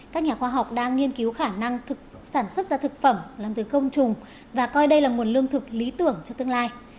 các nhà khoa học đang nghiên cứu khả năng sản xuất ra thực phẩm làm từ công trùng và coi đây là nguồn lương thực lý tưởng cho tương lai